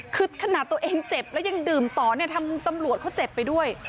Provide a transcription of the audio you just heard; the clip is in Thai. คือขนาดตัวเองเจ็บแล้วยังดื่มต่อเนี่ยทำตำรวจเขาเจ็บไปด้วย